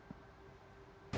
masihkah anda layak menjadi prokok